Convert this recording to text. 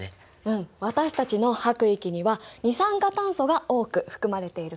うん私たちの吐く息には二酸化炭素が多く含まれているからね。